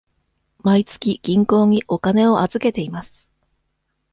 毎月銀行にお金を預けています。